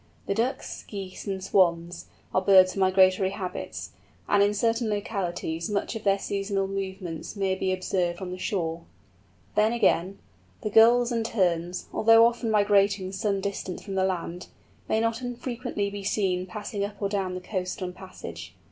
The Ducks, Geese, and Swans, are birds of migratory habits, and in certain localities much of their seasonal movements may be observed from the shore. Then, again, the Gulls and Terns, although often migrating some distance from the land, may not unfrequently be seen passing up or down the coast on passage.